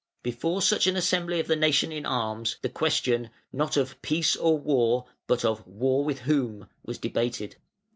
Before such an assembly of the nation in arms, the question, not of Peace or War? but of War with whom? was debated.